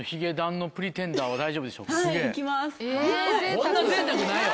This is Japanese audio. こんなぜいたくないよ。